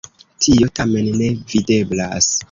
Tio tamen ne videblas.